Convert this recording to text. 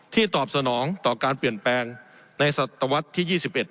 ตอบสนองต่อการเปลี่ยนแปลงในศตวรรษที่๒๑